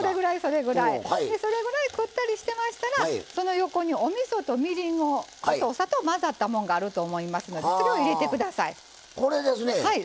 それぐらいくったりしてましたら横のおみそと、みりんとお砂糖混ざったものがあると思いますので入れてください。